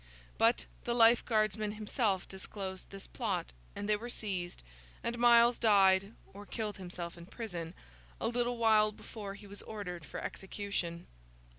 But, the Life Guardsman himself disclosed this plot; and they were seized, and Miles died (or killed himself in prison) a little while before he was ordered for execution.